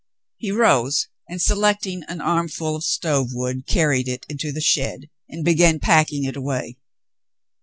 He rose, and selecting an armful of stove wood carried it into the shed and began packing it away.